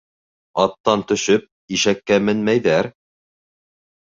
Аттан төшөп, ишәккә менмәйҙәр.